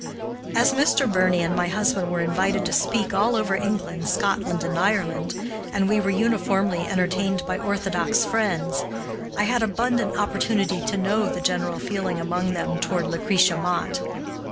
As Mr. Birney and my husband were invited to speak all over England, Scotland, and Ireland, and we were uniformly entertained by orthodox Friends, I had abundant opportunity to know the general feeling among them toward Lucretia Mott.